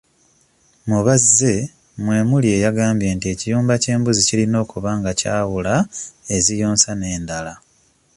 Mu bazze mwe muli eyagambye nti ekiyumba ky'embuzi kirina okuba nga kyawula eziyonsa n'endala.